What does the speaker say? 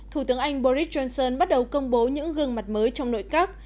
thủ tướng anh boris johnson bắt đầu công bố những gương mặt mới trong nội các